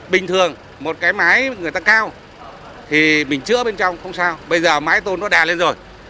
bình thường một cái mái người ta cao thì mình chữa bên trong không sao bây giờ mái tôn nó đè lên rồi